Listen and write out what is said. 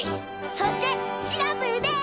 そしてシナプーです！